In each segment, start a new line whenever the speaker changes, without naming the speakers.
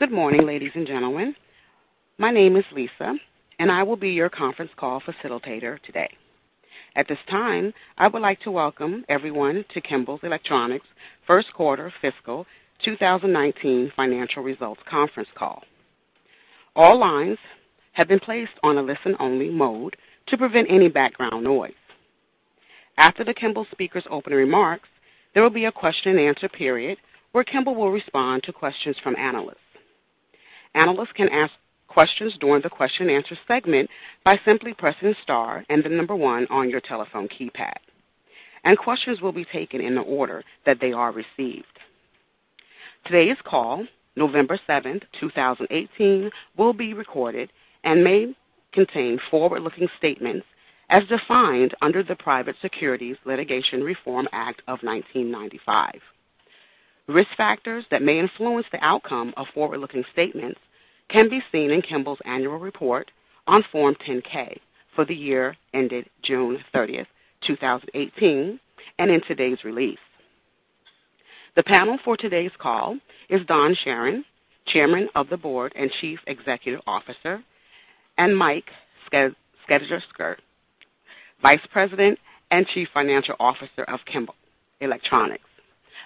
Good morning, ladies and gentlemen. My name is Lisa, I will be your conference call facilitator today. At this time, I would like to welcome everyone to Kimball Electronics' first quarter fiscal 2019 financial results conference call. All lines have been placed on a listen-only mode to prevent any background noise. After the Kimball speakers' opening remarks, there will be a question and answer period where Kimball will respond to questions from analysts. Analysts can ask questions during the question and answer segment by simply pressing star and the number one on your telephone keypad. Questions will be taken in the order that they are received. Today's call, November 7th, 2018, will be recorded and may contain forward-looking statements as defined under the Private Securities Litigation Reform Act of 1995. Risk factors that may influence the outcome of forward-looking statements can be seen in Kimball's annual report on Form 10-K for the year ended June 30th, 2018. In today's release, the panel for today's call is Don Charron, Chairman of the Board and Chief Executive Officer, and Mike Sergesketter, Vice President and Chief Financial Officer of Kimball Electronics.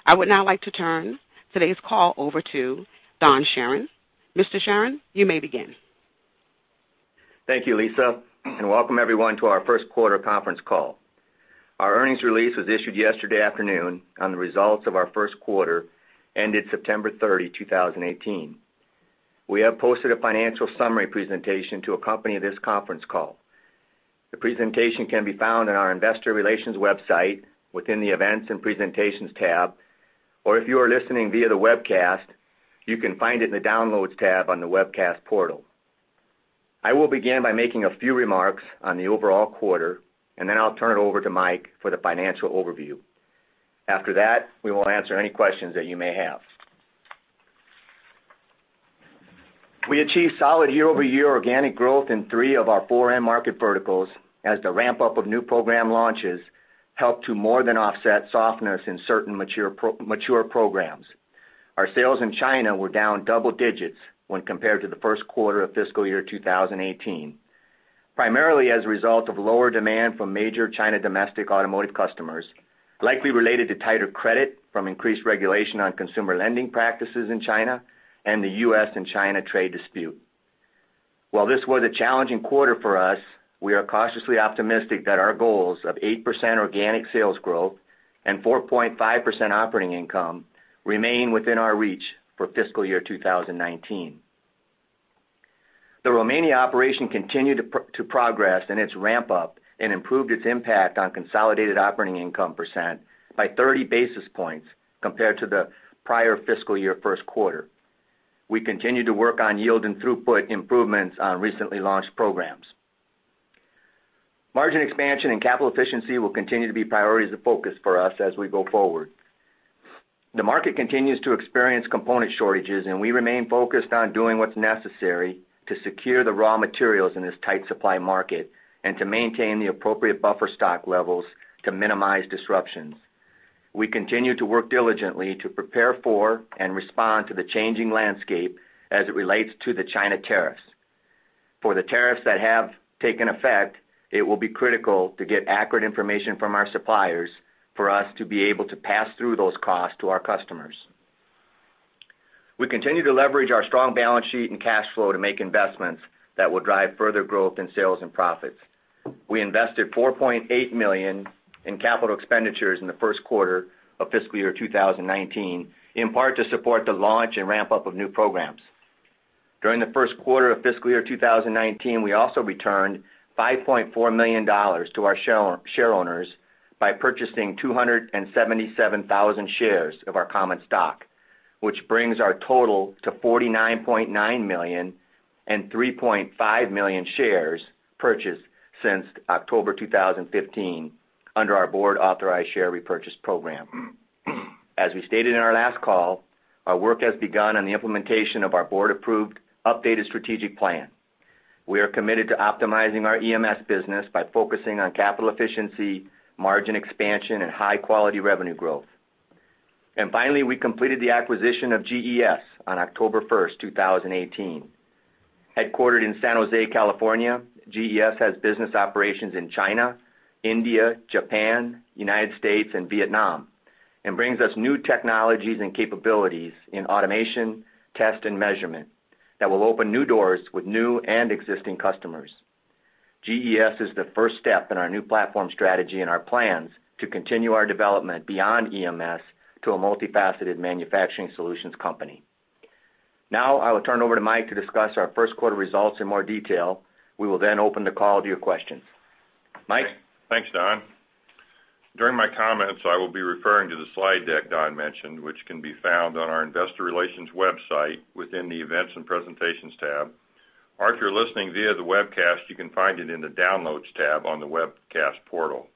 I would now like to turn today's call over to Don Charron. Mr. Charron, you may begin.
Thank you, Lisa, welcome everyone to our first quarter conference call. Our earnings release was issued yesterday afternoon on the results of our first quarter ended September 30, 2018. We have posted a financial summary presentation to accompany this conference call. The presentation can be found on our investor relations website within the Events and Presentations tab, if you are listening via the webcast, you can find it in the Downloads tab on the webcast portal. I will begin by making a few remarks on the overall quarter. Then I'll turn it over to Mike for the financial overview. After that, we will answer any questions that you may have. We achieved solid year-over-year organic growth in three of our four end market verticals as the ramp-up of new program launches helped to more than offset softness in certain mature programs. Our sales in China were down double digits when compared to the first quarter of fiscal year 2018, primarily as a result of lower demand from major China domestic automotive customers, likely related to tighter credit from increased regulation on consumer lending practices in China and the U.S. and China trade dispute. While this was a challenging quarter for us, we are cautiously optimistic that our goals of 8% organic sales growth and 4.5% operating income remain within our reach for fiscal year 2019. The Romania operation continued to progress in its ramp-up and improved its impact on consolidated operating income percent by 30 basis points compared to the prior fiscal year first quarter. We continue to work on yield and throughput improvements on recently launched programs. Margin expansion, capital efficiency will continue to be priorities of focus for us as we go forward. The market continues to experience component shortages, and we remain focused on doing what's necessary to secure the raw materials in this tight supply market and to maintain the appropriate buffer stock levels to minimize disruptions. We continue to work diligently to prepare for and respond to the changing landscape as it relates to the China tariffs. For the tariffs that have taken effect, it will be critical to get accurate information from our suppliers for us to be able to pass through those costs to our customers. We continue to leverage our strong balance sheet and cash flow to make investments that will drive further growth in sales and profits. We invested $4.8 million in capital expenditures in the first quarter of fiscal year 2019, in part to support the launch and ramp-up of new programs. During the first quarter of fiscal year 2019, we also returned $5.4 million to our shareowners by purchasing 277,000 shares of our common stock, which brings our total to $49.9 million and 3.5 million shares purchased since October 2015 under our board-authorized share repurchase program. As we stated in our last call, our work has begun on the implementation of our board-approved updated strategic plan. We are committed to optimizing our EMS business by focusing on capital efficiency, margin expansion, and high-quality revenue growth. Finally, we completed the acquisition of GES on October 1st, 2018. Headquartered in San Jose, California, GES has business operations in China, India, Japan, U.S., and Vietnam, and brings us new technologies and capabilities in automation, test, and measurement that will open new doors with new and existing customers. GES is the first step in our new platform strategy and our plans to continue our development beyond EMS to a multifaceted manufacturing solutions company. I will turn it over to Mike to discuss our first quarter results in more detail. We will open the call to your questions. Mike?
Thanks, Don. During my comments, I will be referring to the slide deck Don mentioned, which can be found on our investor relations website within the Events and Presentations tab. If you're listening via the webcast, you can find it in the Downloads tab on the webcast portal.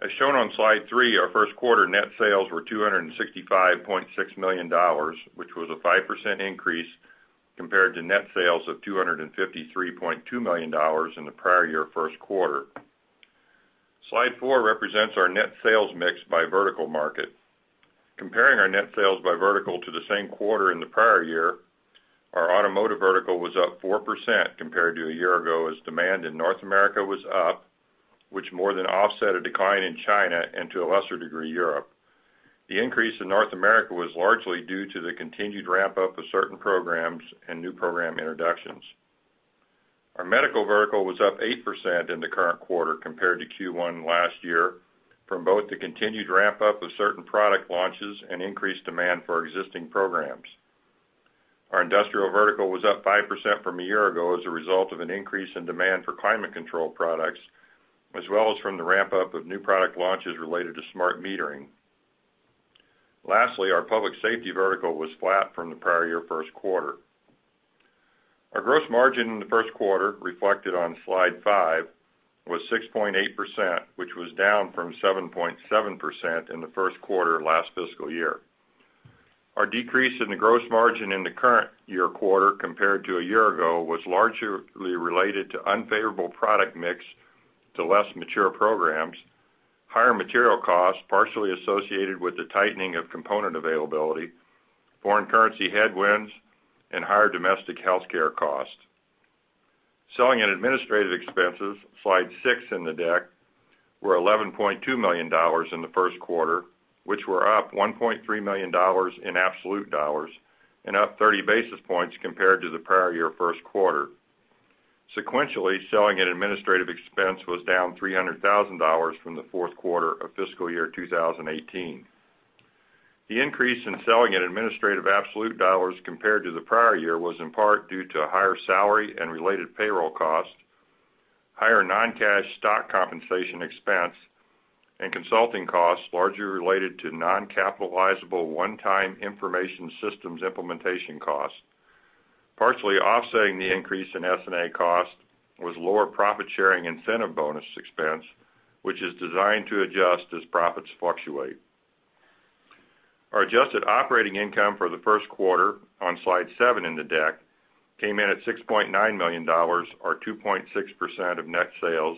As shown on slide three, our first quarter net sales were $265.6 million, which was a 5% increase compared to net sales of $253.2 million in the prior year first quarter. Slide four represents our net sales mix by vertical market. Comparing our net sales by vertical to the same quarter in the prior year, our automotive vertical was up 4% compared to a year ago as demand in North America was up, which more than offset a decline in China and, to a lesser degree, Europe. The increase in North America was largely due to the continued ramp-up of certain programs and new program introductions. Our medical vertical was up 8% in the current quarter compared to Q1 last year from both the continued ramp-up of certain product launches and increased demand for existing programs. Our industrial vertical was up 5% from a year ago as a result of an increase in demand for climate control products, as well as from the ramp-up of new product launches related to smart metering. Lastly, our public safety vertical was flat from the prior year first quarter. Our gross margin in the first quarter, reflected on Slide 5, was 6.8%, which was down from 7.7% in the first quarter last fiscal year. Our decrease in the gross margin in the current year quarter compared to a year ago was largely related to unfavorable product mix to less mature programs, higher material costs, partially associated with the tightening of component availability, foreign currency headwinds, and higher domestic healthcare costs. Selling and administrative expenses, Slide 6 in the deck, were $11.2 million in the first quarter, which were up $1.3 million in absolute dollars and up 30 basis points compared to the prior year first quarter. Sequentially, selling and administrative expense was down $300,000 from the fourth quarter of fiscal year 2018. The increase in selling and administrative absolute dollars compared to the prior year was in part due to higher salary and related payroll costs, higher non-cash stock compensation expense, and consulting costs largely related to non-capitalizable one-time information systems implementation costs. Partially offsetting the increase in S&A cost was lower profit-sharing incentive bonus expense, which is designed to adjust as profits fluctuate. Our adjusted operating income for the first quarter, on Slide 7 in the deck, came in at $6.9 million, or 2.6% of net sales,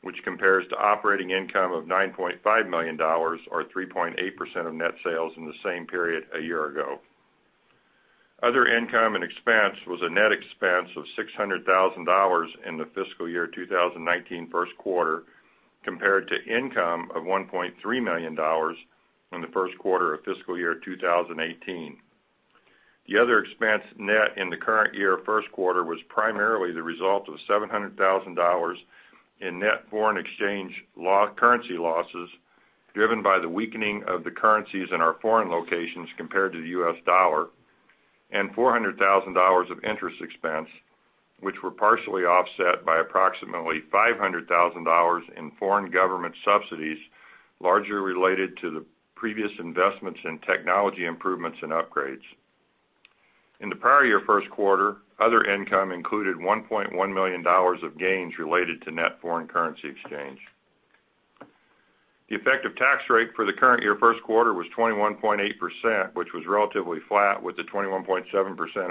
which compares to operating income of $9.5 million, or 3.8% of net sales in the same period a year ago. Other income and expense was a net expense of $600,000 in the fiscal year 2019 first quarter, compared to income of $1.3 million in the first quarter of fiscal year 2018. The other expense net in the current year first quarter was primarily the result of $700,000 in net foreign exchange currency losses, driven by the weakening of the currencies in our foreign locations compared to the U.S. dollar, and $400,000 of interest expense, which were partially offset by approximately $500,000 in foreign government subsidies, largely related to the previous investments in technology improvements and upgrades. In the prior year first quarter, other income included $1.1 million of gains related to net foreign currency exchange. The effective tax rate for the current year first quarter was 21.8%, which was relatively flat with the 21.7%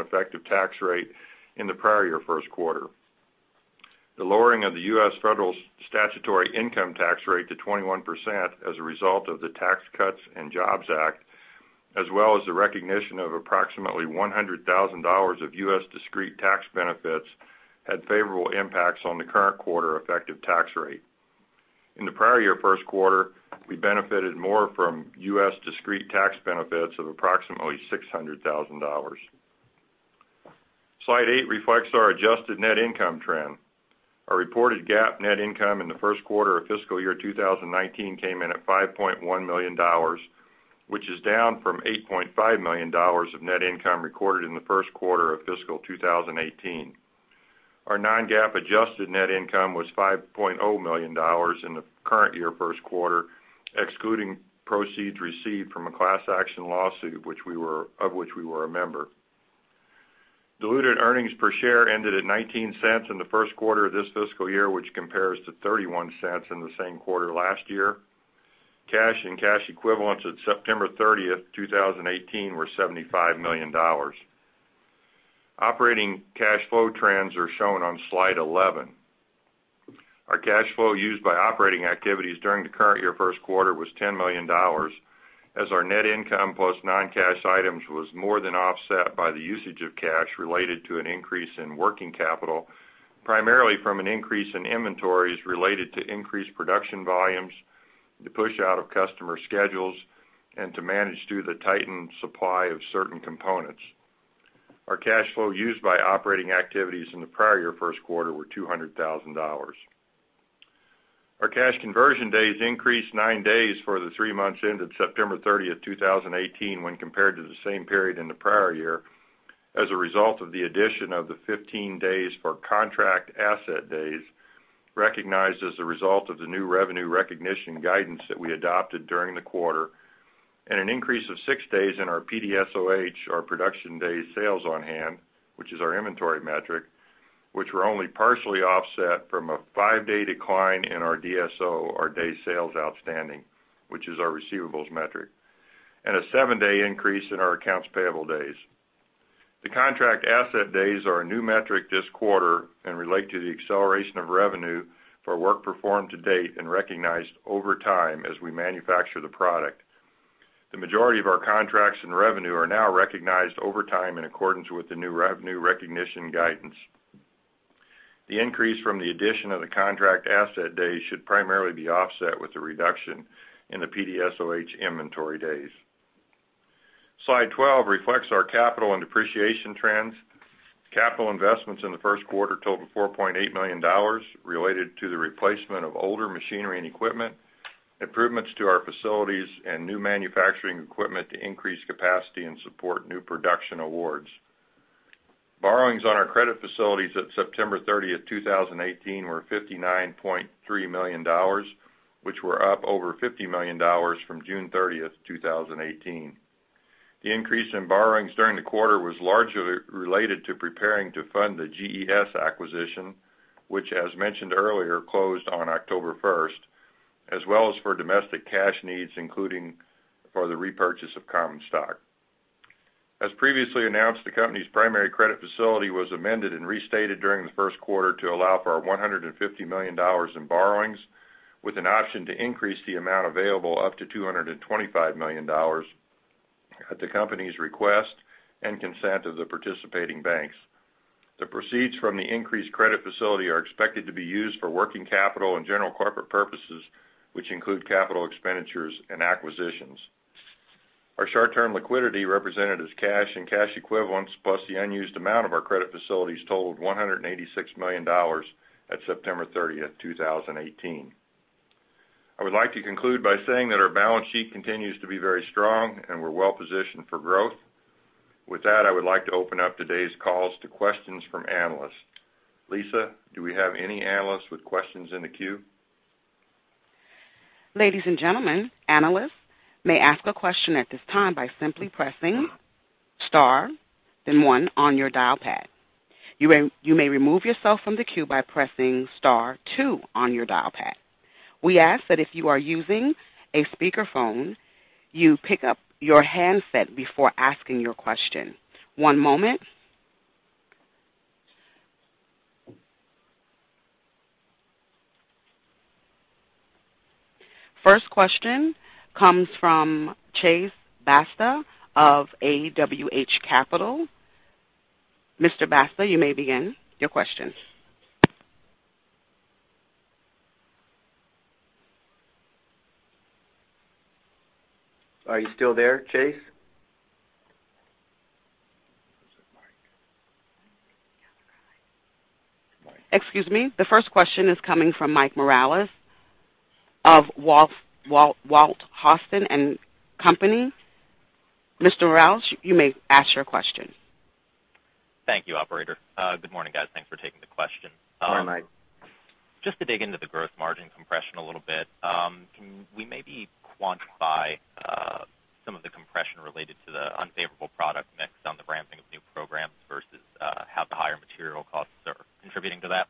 effective tax rate in the prior year first quarter. The lowering of the U.S. federal statutory income tax rate to 21% as a result of the Tax Cuts and Jobs Act, as well as the recognition of approximately $100,000 of U.S. discrete tax benefits, had favorable impacts on the current quarter effective tax rate. In the prior year first quarter, we benefited more from U.S. discrete tax benefits of approximately $600,000. Slide 8 reflects our adjusted net income trend. Our reported GAAP net income in the first quarter of fiscal year 2019 came in at $5.1 million, which is down from $8.5 million of net income recorded in the first quarter of fiscal 2018. Our non-GAAP adjusted net income was $5.0 million in the current year first quarter, excluding proceeds received from a class action lawsuit of which we were a member. Diluted earnings per share ended at $0.19 in the first quarter of this fiscal year, which compares to $0.31 in the same quarter last year. Cash and cash equivalents at September 30th, 2018, were $75 million. Operating cash flow trends are shown on Slide 11. Our cash flow used by operating activities during the current year first quarter was $10 million, as our net income plus non-cash items was more than offset by the usage of cash related to an increase in working capital, primarily from an increase in inventories related to increased production volumes to push out of customer schedules and to manage through the tightened supply of certain components. Our cash flow used by operating activities in the prior year first quarter were $200,000. Our cash conversion days increased nine days for the three months ended September 30th, 2018, when compared to the same period in the prior year, as a result of the addition of the 15 days for contract asset days recognized as a result of the new revenue recognition guidance that we adopted during the quarter, and an increase of six days in our PDSoH, our production days sales on hand, which is our inventory metric, which were only partially offset from a five-day decline in our DSO, our days sales outstanding, which is our receivables metric, and a seven-day increase in our accounts payable days. The contract asset days are a new metric this quarter and relate to the acceleration of revenue for work performed to date and recognized over time as we manufacture the product. The majority of our contracts and revenue are now recognized over time in accordance with the new revenue recognition guidance. The increase from the addition of the contract asset days should primarily be offset with the reduction in the PDSoH inventory days. Slide 12 reflects our capital and depreciation trends. Capital investments in the first quarter totaled $4.8 million related to the replacement of older machinery and equipment, improvements to our facilities, and new manufacturing equipment to increase capacity and support new production awards. Borrowings on our credit facilities at September 30th, 2018 were $59.3 million, which were up over $50 million from June 30th, 2018. The increase in borrowings during the quarter was largely related to preparing to fund the GES acquisition, which as mentioned earlier, closed on October 1st, as well as for domestic cash needs, including for the repurchase of common stock. As previously announced, the company's primary credit facility was amended and restated during the first quarter to allow for $150 million in borrowings, with an option to increase the amount available up to $225 million at the company's request and consent of the participating banks. The proceeds from the increased credit facility are expected to be used for working capital and general corporate purposes, which include capital expenditures and acquisitions. Our short-term liquidity, represented as cash and cash equivalents plus the unused amount of our credit facilities totaled $186 million at September 30th, 2018. I would like to conclude by saying that our balance sheet continues to be very strong, and we're well-positioned for growth. With that, I would like to open up today's calls to questions from analysts. Lisa, do we have any analysts with questions in the queue?
Ladies and gentlemen, analysts may ask a question at this time by simply pressing star then 1 on your dial pad. You may remove yourself from the queue by pressing star 2 on your dial pad. We ask that if you are using a speakerphone, you pick up your handset before asking your question. One moment. First question comes from Chase Basta of AWH Capital. Mr. Basta, you may begin your questions.
Are you still there, Chase?
Excuse me. The first question is coming from Mike Morales of Walthausen & Co. Mr. Morales, you may ask your question.
Thank you, operator. Good morning, guys. Thanks for taking the question.
Good morning, Mike.
Just to dig into the gross margin compression a little bit. Can we maybe quantify some of the compression related to the unfavorable product mix on the ramping of new programs versus how the higher material costs are contributing to that?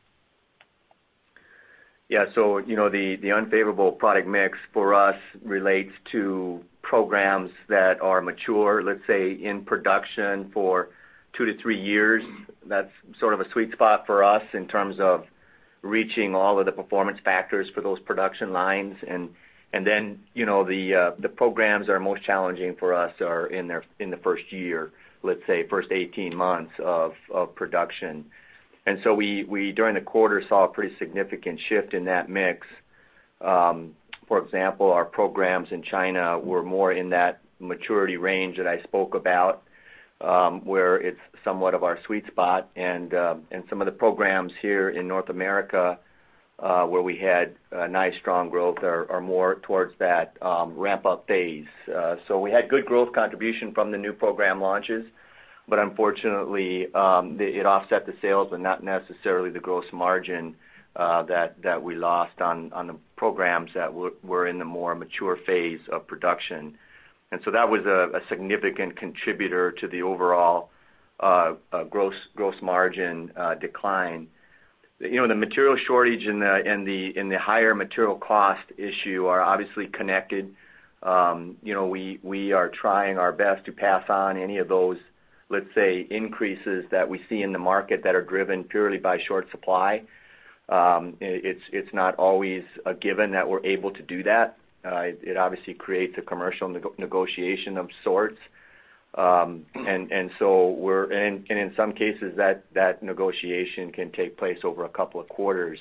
Yeah. The unfavorable product mix for us relates to programs that are mature, let's say, in production for two to three years. That's sort of a sweet spot for us in terms of reaching all of the performance factors for those production lines. The programs that are most challenging for us are in the first year, let's say, first 18 months of production. We, during the quarter, saw a pretty significant shift in that mix. For example, our programs in China were more in that maturity range that I spoke about, where it's somewhat of our sweet spot. Some of the programs here in North America, where we had nice strong growth, are more towards that ramp-up phase. We had good growth contribution from the new program launches, but unfortunately, it offset the sales and not necessarily the gross margin that we lost on the programs that were in the more mature phase of production. That was a significant contributor to the overall gross margin decline. The material shortage and the higher material cost issue are obviously connected. We are trying our best to pass on any of those, let's say, increases that we see in the market that are driven purely by short supply. It's not always a given that we're able to do that. It obviously creates a commercial negotiation of sorts. In some cases, that negotiation can take place over a couple of quarters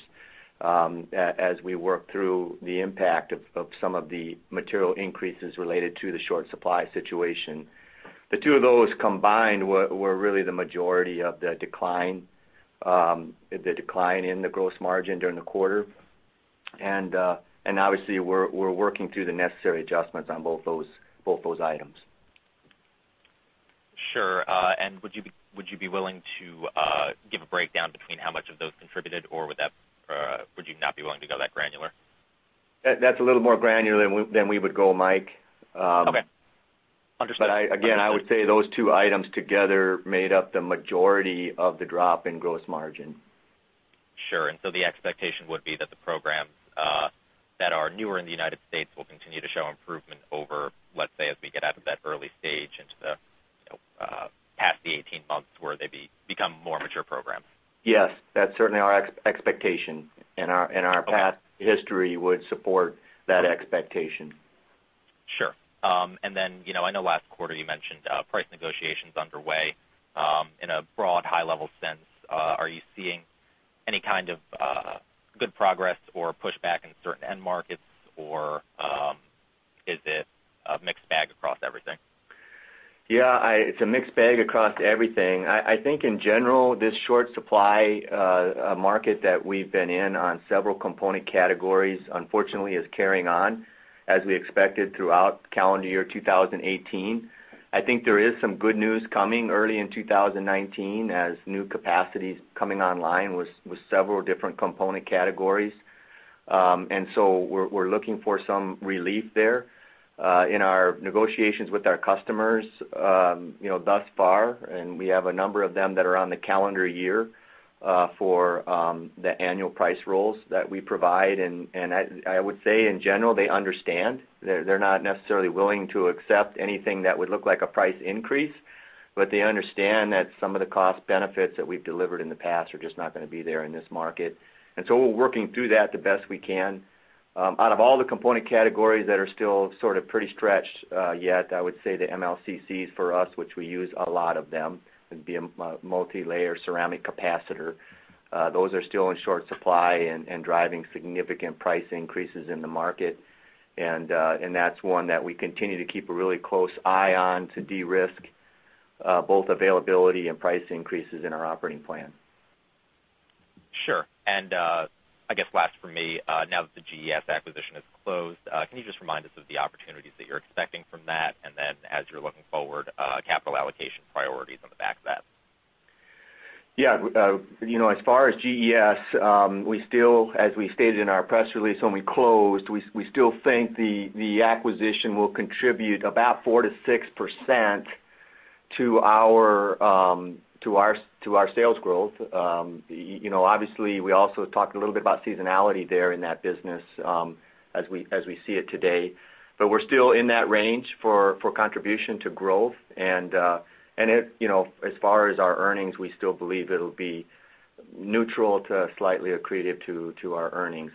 as we work through the impact of some of the material increases related to the short supply situation. The two of those combined were really the majority of the decline in the gross margin during the quarter. Obviously, we're working through the necessary adjustments on both those items.
Sure. Would you be willing to give a breakdown between how much of those contributed, or would you not be willing to go that granular?
That's a little more granular than we would go, Mike.
Okay. Understood.
Again, I would say those two items together made up the majority of the drop in gross margin.
Sure. The expectation would be that the programs that are newer in the U.S. will continue to show improvement over, let's say, as we get out of that early stage into the past 18 months, where they become more mature programs.
Yes. That's certainly our expectation. Our past history would support that expectation.
Sure. I know last quarter you mentioned price negotiations underway. In a broad high-level sense, are you seeing any kind of good progress or pushback in certain end markets, or is it a mixed bag across everything?
Yeah. It's a mixed bag across everything. I think in general, this short supply market that we've been in on several component categories, unfortunately, is carrying on as we expected throughout calendar year 2018. I think there is some good news coming early in 2019 as new capacity's coming online with several different component categories. We're looking for some relief there. In our negotiations with our customers thus far, and we have a number of them that are on the calendar year for the annual price rolls that we provide, and I would say, in general, they understand. They're not necessarily willing to accept anything that would look like a price increase, but they understand that some of the cost benefits that we've delivered in the past are just not going to be there in this market. We're working through that the best we can. Out of all the component categories that are still sort of pretty stretched yet, I would say the MLCCs for us, which we use a lot of them, the multilayer ceramic capacitor, those are still in short supply and driving significant price increases in the market. That's one that we continue to keep a really close eye on to de-risk both availability and price increases in our operating plan.
Sure. I guess last from me, now that the GES acquisition is closed, can you just remind us of the opportunities that you're expecting from that, and then as you're looking forward, capital allocation priorities on the back of that?
As far as GES, as we stated in our press release when we closed, we still think the acquisition will contribute about 4%-6% to our sales growth. Obviously, we also talked a little bit about seasonality there in that business as we see it today. We're still in that range for contribution to growth. As far as our earnings, we still believe it'll be neutral to slightly accretive to our earnings.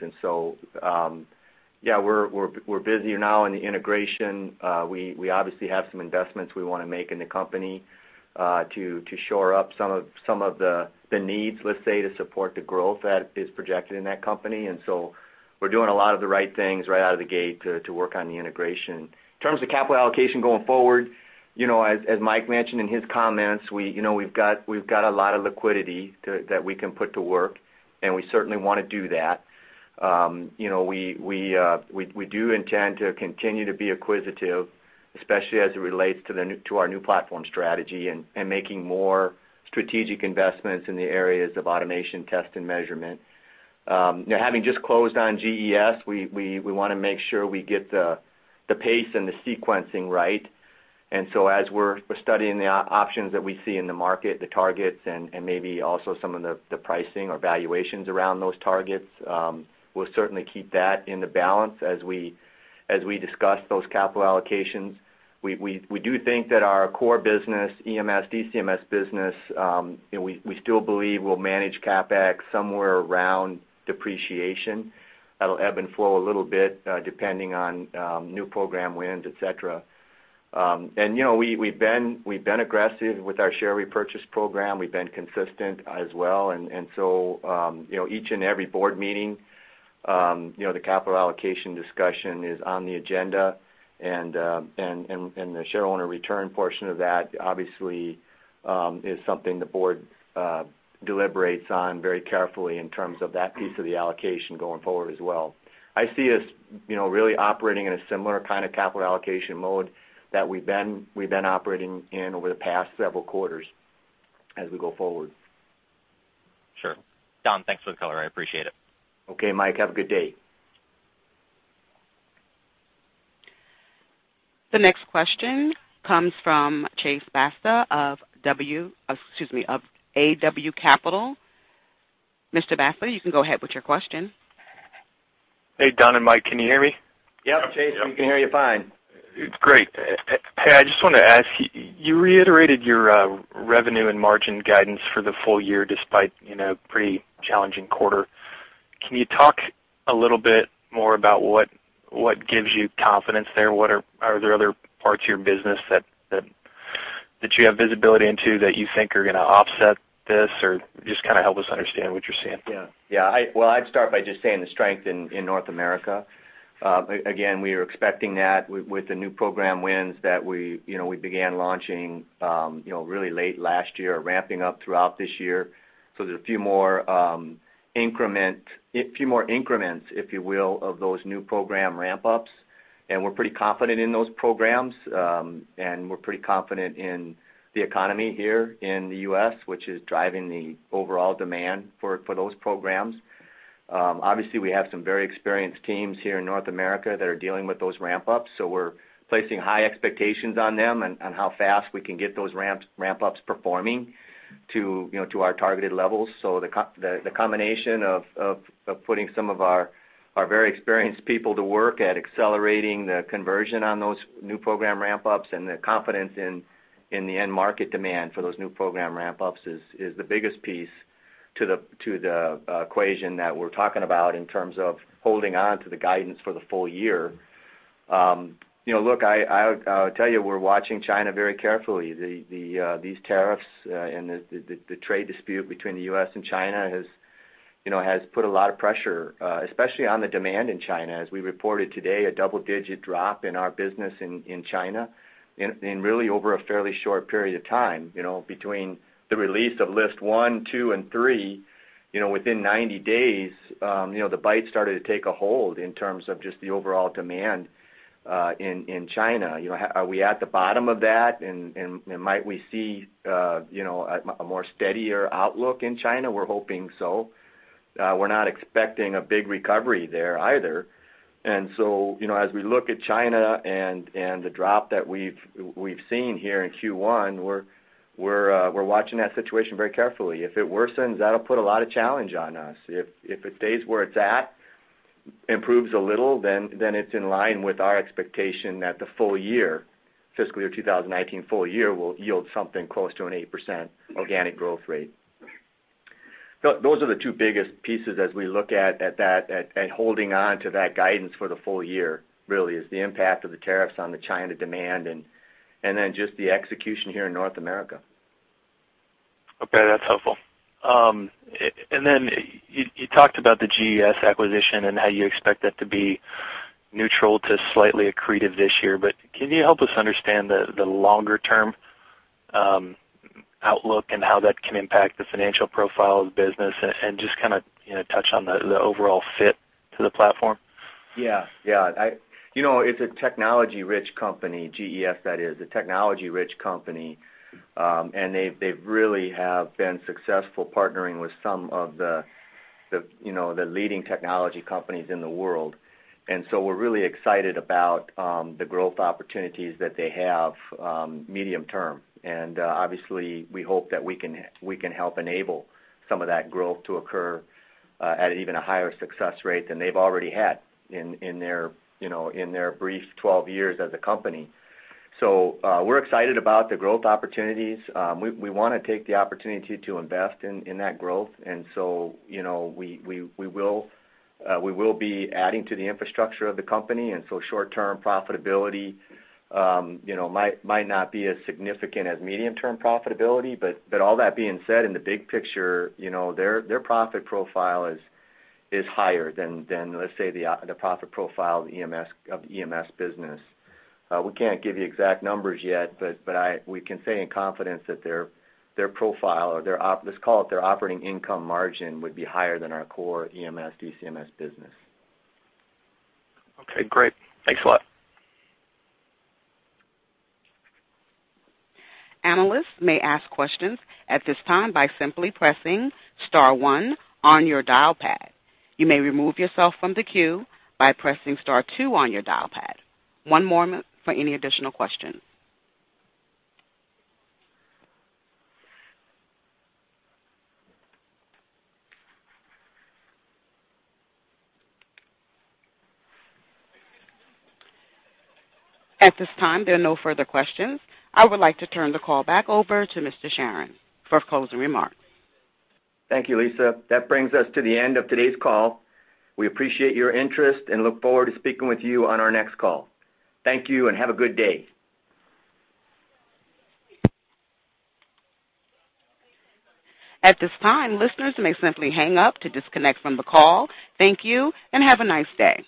We're busier now in the integration. We obviously have some investments we want to make in the company to shore up some of the needs, let's say, to support the growth that is projected in that company. We're doing a lot of the right things right out of the gate to work on the integration. In terms of capital allocation going forward, as Mike mentioned in his comments, we've got a lot of liquidity that we can put to work, and we certainly want to do that. We do intend to continue to be acquisitive, especially as it relates to our new platform strategy and making more strategic investments in the areas of automation test and measurement. Having just closed on GES, we want to make sure we get the pace and the sequencing right. As we're studying the options that we see in the market, the targets and maybe also some of the pricing or valuations around those targets, we'll certainly keep that in the balance as we discuss those capital allocations. We do think that our core business, EMS, ECMS business, we still believe we'll manage CapEx somewhere around depreciation. That'll ebb and flow a little bit, depending on new program wins, et cetera. We've been aggressive with our share repurchase program. We've been consistent as well. Each and every board meeting, the capital allocation discussion is on the agenda. The share owner return portion of that, obviously, is something the board deliberates on very carefully in terms of that piece of the allocation going forward as well. I see us really operating in a similar kind of capital allocation mode that we've been operating in over the past several quarters as we go forward.
Sure. Don, thanks for the color. I appreciate it.
Okay, Mike. Have a good day.
The next question comes from Chase Basta of AWH Capital. Mr. Basta, you can go ahead with your question.
Hey, Don and Mike, can you hear me?
Yep, Chase. We can hear you fine.
Great. Hey, I just want to ask, you reiterated your revenue and margin guidance for the full year despite a pretty challenging quarter. Can you talk a little bit more about what gives you confidence there? Are there other parts of your business that you have visibility into that you think are going to offset this? Just kind of help us understand what you're seeing.
Yeah. Well, I'd start by just saying the strength in North America. Again, we are expecting that with the new program wins that we began launching really late last year, ramping up throughout this year. There's a few more increments, if you will, of those new program ramp-ups. We're pretty confident in those programs. We're pretty confident in the economy here in the U.S., which is driving the overall demand for those programs. Obviously, we have some very experienced teams here in North America that are dealing with those ramp-ups, so we're placing high expectations on them and how fast we can get those ramp-ups performing to our targeted levels. The combination of putting some of our very experienced people to work at accelerating the conversion on those new program ramp-ups and the confidence in the end market demand for those new program ramp-ups is the biggest piece to the equation that we're talking about in terms of holding on to the guidance for the full year. Look, I'll tell you, we're watching China very carefully. These tariffs and the trade dispute between the U.S. and China has put a lot of pressure, especially on the demand in China. As we reported today, a double-digit drop in our business in China in really over a fairly short period of time. Between the release of list one, two, and three, within 90 days, the bite started to take a hold in terms of just the overall demand in China. Are we at the bottom of that, and might we see a more steadier outlook in China? We're hoping so. We're not expecting a big recovery there either. As we look at China and the drop that we've seen here in Q1, we're watching that situation very carefully. If it worsens, that'll put a lot of challenge on us. If it stays where it's at, improves a little, then it's in line with our expectation that the full year, fiscal year 2019 full year, will yield something close to an 8% organic growth rate. Those are the two biggest pieces as we look at holding on to that guidance for the full year, really, is the impact of the tariffs on the China demand and then just the execution here in North America.
Okay, that's helpful. You talked about the GES acquisition and how you expect that to be neutral to slightly accretive this year, can you help us understand the longer-term outlook and how that can impact the financial profile of the business and just kind of touch on the overall fit to the platform?
Yeah. It's a technology-rich company, GES, that is, a technology-rich company. They really have been successful partnering with some of the leading technology companies in the world. We're really excited about the growth opportunities that they have medium term. Obviously, we hope that we can help enable some of that growth to occur at even a higher success rate than they've already had in their brief 12 years as a company. We're excited about the growth opportunities. We want to take the opportunity to invest in that growth. We will be adding to the infrastructure of the company, and so short-term profitability might not be as significant as medium-term profitability. All that being said, in the big picture, their profit profile is higher than, let's say, the profit profile of the EMS business. We can't give you exact numbers yet, we can say in confidence that their profile or, let's call it their operating income margin, would be higher than our core EMS, ECMS business.
Okay, great. Thanks a lot.
Analysts may ask questions at this time by simply pressing star one on your dial pad. You may remove yourself from the queue by pressing star two on your dial pad. One moment for any additional questions. At this time, there are no further questions. I would like to turn the call back over to Mr. Charron for closing remarks.
Thank you, Lisa. That brings us to the end of today's call. We appreciate your interest and look forward to speaking with you on our next call. Thank you and have a good day.
At this time, listeners may simply hang up to disconnect from the call. Thank you and have a nice day.